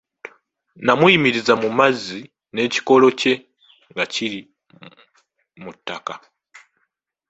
N'amuyimiriza mu mazzi n'ekikolo kye nga kiri mu ttaka.